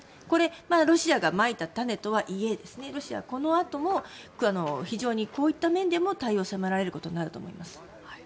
これ、ロシアがまいた種とはいえロシアはこのあとも非常にこういった面でも対応を迫られることになると思います。